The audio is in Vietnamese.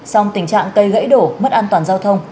song tình trạng cây gãy đổ mất an toàn giao thông